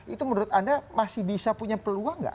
itu menurut anda masih bisa punya peluang nggak